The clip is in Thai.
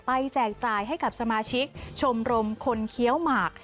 แจกจ่ายให้กับสมาชิกชมรมคนเคี้ยวหมาก